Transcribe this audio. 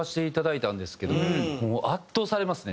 もう圧倒されますねずっと。